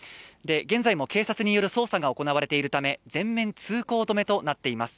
現在も警察による、捜査が行われているため全面通行止めとなっています。